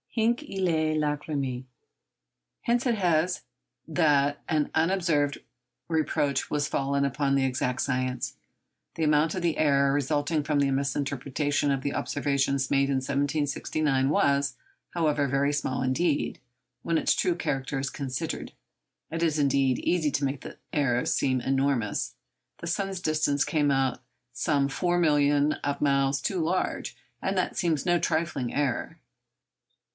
Hinc illæ lacrymæ. Hence it is that an undeserved reproach has fallen upon the 'exact science.' The amount of the error resulting from the misinterpretation of the observations made in 1769 was, however, very small indeed, when its true character is considered. It is, indeed, easy to make the error seem enormous. The sun's distance came out some four millions of miles too large, and that seems no trifling error.